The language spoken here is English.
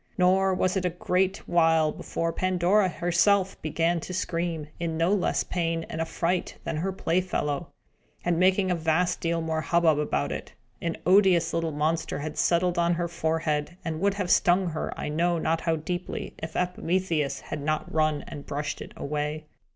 Nor was it a great while before Pandora herself began to scream, in no less pain and affright than her playfellow, and making a vast deal more hubbub about it. An odious little monster had settled on her forehead, and would have stung her I know not how deeply, if Epimetheus had not run and brushed it away.